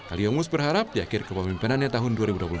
aliongus berharap di akhir kepemimpinannya tahun dua ribu dua puluh empat